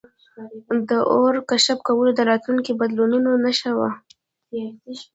د اور کشف کول د راتلونکو بدلونونو نښه وه.